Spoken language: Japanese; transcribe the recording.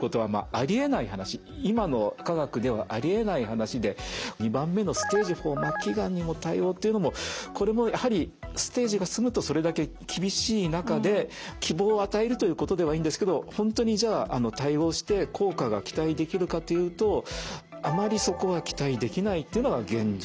今の科学ではありえない話で２番目の「ステージ４・末期がんにも対応」っていうのもこれもやはりステージが進むとそれだけ厳しい中で希望を与えるということではいいんですけど本当にじゃあ対応して効果が期待できるかというとあまりそこは期待できないというのが現実ですね。